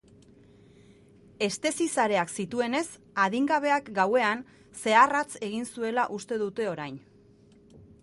Heste zizareak zituenez, adingabeak gauean zehar hatz egin zuela uste dute orain.